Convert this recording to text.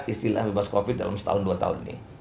istilah bebas covid dalam setahun dua tahun ini